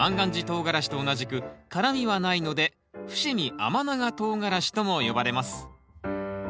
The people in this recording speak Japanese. とうがらしと同じく辛みはないので伏見甘長とうがらしとも呼ばれます。